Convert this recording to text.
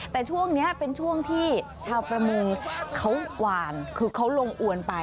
แต่ช่วงนี้เป็นช่วงที่ชาวประมงเขาหวานคือเขาลงอวนไป